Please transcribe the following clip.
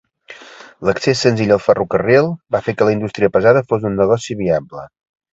L"accés senzill al ferrocarril va fer que l"indústria pesada fos un negoci viable.